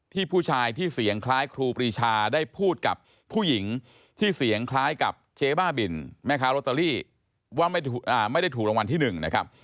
ผู้ชายที่เสียงคล้ายครูปรีชาได้พูดกับผู้หญิงที่เสียงคล้ายกับเจ๊บ้าบินแม่ค้าโรตเตอรี่ว่าไม่ได้ถูกรางวัลที่๑นะครับ